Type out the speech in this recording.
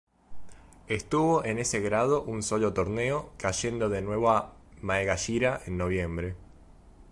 Estuvo en ese grado un solo torneo, cayendo de nuevo a "maegashira" en noviembre.